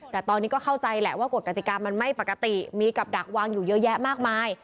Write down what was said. แต่ตอนนี้ก็เข้าใจแหละว่ากฎกติกามันไม่ปกติมีกับดักวางอยู่เยอะแยะมากมาย